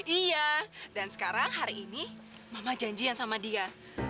iya dan sekarang hari ini mama janjian sama dia